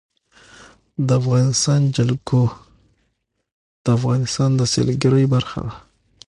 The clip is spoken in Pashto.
د افغانستان جلکو د افغانستان د سیلګرۍ برخه ده.